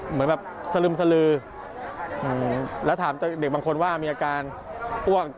เหมือนแบบสลึมสลือแล้วถามเด็กบางคนว่ามีอาการอ้วก